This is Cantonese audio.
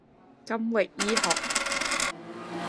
金域醫學